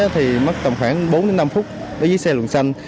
thì mất tầm khoảng bốn năm phút với chiếc xe luồng xanh